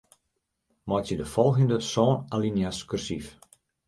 Meitsje de folgjende sân alinea's kursyf.